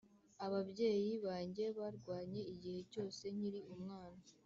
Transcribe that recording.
ababyeyi banjye barwanye igihe cyose nkiri umwana.